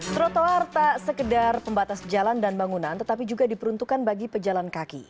trotoar tak sekedar pembatas jalan dan bangunan tetapi juga diperuntukkan bagi pejalan kaki